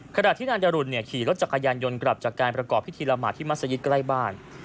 ขณะที่นางดรุนขี่รถจักรยานยนต์กลับจากการประกอบพิธีละหมาดที่มัศยิตใกล้บ้าน